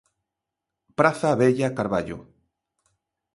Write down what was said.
Praza Vella Carballo.